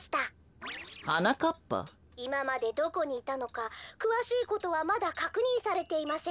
「いままでどこにいたのかくわしいことはまだかくにんされていません」。